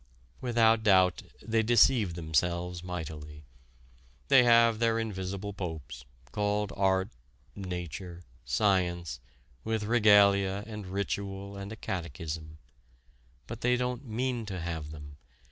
Without doubt they deceive themselves mightily. They have their invisible popes, called Art, Nature, Science, with regalia and ritual and a catechism. But they don't mean to have them.